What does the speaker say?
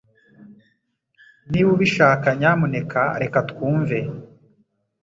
Niba ubishaka, nyamuneka reka twumve